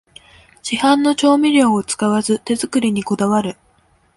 市販の調味料を使わず手作りにこだわる